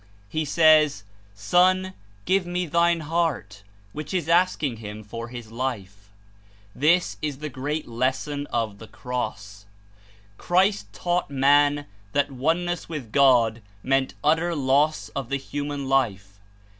He says, "Son, give me thine heart," which Is asking him for his life. This Is the great lesson of the cross. Christ taught man that Oneness with God meant utter loss of the human life.